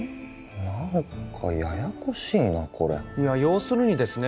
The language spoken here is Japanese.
何かややこしいなこれいや要するにですね